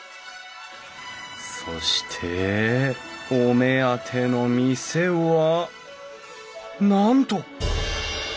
そしてお目当ての店はなんと！